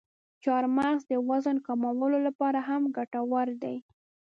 چارمغز د وزن کمولو لپاره هم ګټور دی.